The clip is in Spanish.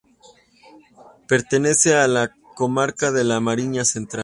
Pertenece a la comarca de la Mariña Central.